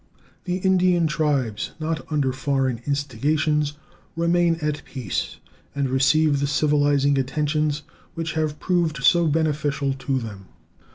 The Indian tribes not under foreign instigations remain at peace, and receive the civilizing attentions which have proved so beneficial to them.